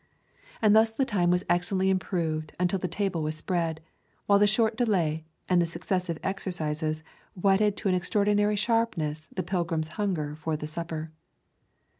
And thus the time was excellently improved till the table was spread, while the short delay and the successive exercises whetted to an extraordinary sharpness the pilgrim's hunger for the supper.